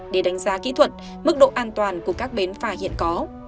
để đánh giá kỹ thuật mức độ an toàn của các bến phà hiện có